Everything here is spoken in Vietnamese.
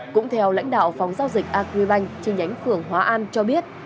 cũng theo lãnh đạo phòng giao dịch agribank trên nhánh phường hóa an cho biết